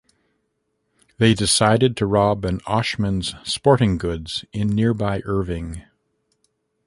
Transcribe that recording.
They decided to rob an Oshman's Sporting Goods in nearby Irving.